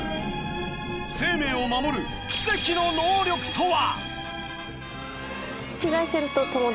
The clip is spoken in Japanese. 生命を守る奇跡の能力とは！？